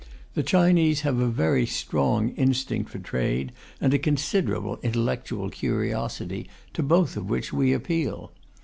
The Chinese have a very strong instinct for trade, and a considerable intellectual curiosity, to both of which we appeal.